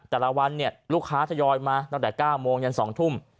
แต่ละวันเนี่ยลูกค้าทยอยมาตั้งแต่๙โมงยัน๒ทุ่ม